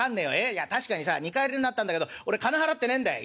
いや確かにさ二荷入りになったんだけど俺金払ってねえんだい」。